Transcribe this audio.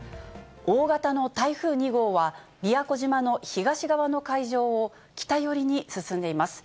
大型の台風２号は、宮古島の東側の海上を北寄りに進んでいます。